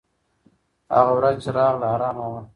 هغه ورځ چې راغله، ارامه وه.